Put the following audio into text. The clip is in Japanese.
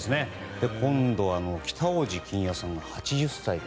今度は、北大路欣也さん８０歳。